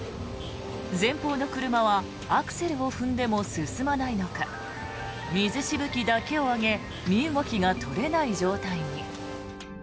前方の車はアクセルを踏んでも進まないのか水しぶきだけを上げ身動きが取れない状態に。